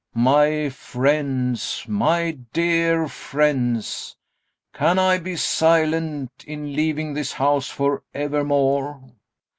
GAEV. My friends, my dear friends! Can I be silent, in leaving this house for evermore?